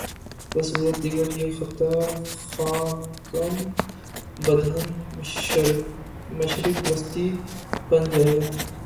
بصورت دیگریہ خطہ خاکم بدہن، مشرق وسطی بن جا ئے گا۔